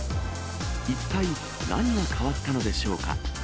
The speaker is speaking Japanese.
一体、何が変わったのでしょうか。